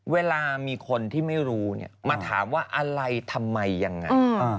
เวลามีคนที่ไม่รู้มาถามว่าอะไรทำไมยังไง